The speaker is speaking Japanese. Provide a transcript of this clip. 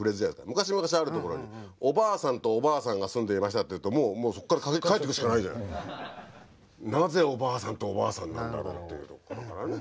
「昔々あるところにおばあさんとおばあさんが住んでいました」っていうともうそこから書いてくしかないじゃない。なぜおばあさんとおばあさんなんだろうっていうところからね。